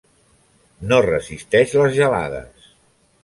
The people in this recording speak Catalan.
No resisteix les gelades.